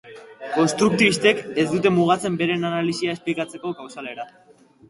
Konstruktibistek ez dute mugatzen beren analisia esplikazio kausalera.